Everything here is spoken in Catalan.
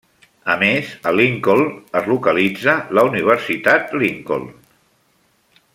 A més, a Lincoln es localitza la Universitat Lincoln.